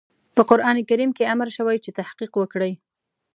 په قرآن کريم کې امر شوی چې تحقيق وکړئ.